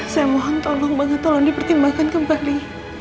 saya mohon tolong banget tolong dipertimbangkan kembali